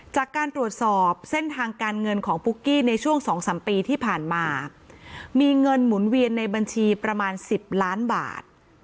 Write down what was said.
จากการตรวจสอบเส้นทางการเงินของปุ๊กกี้ในช่วง๒๓ปีที่ผ่านมามีเงินหมุนเวียนในบัญชีประมาณ๑๐ล้านบาท